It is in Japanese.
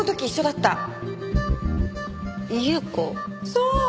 そう！